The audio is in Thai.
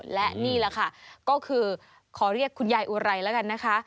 และนี่แหละค่ะก็คือขอเรียกคุณยายอุไรแล้วกันนะคะ